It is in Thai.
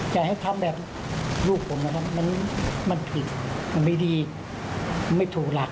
อย่าให้ทำแบบลูกผมนะครับมันผิดมันไม่ดีไม่ถูกหลัก